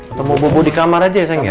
ketemu bubu di kamar aja ya sayang ya